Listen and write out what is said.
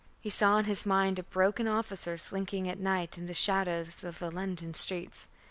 He saw in his mind a broken officer slinking at night in the shadows of the London streets.